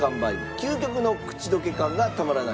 究極の口溶け感がたまらない